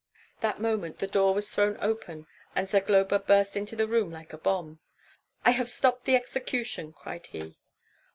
That moment the door was thrown open, and Zagloba burst into the room like a bomb. "I have stopped the execution!" cried he.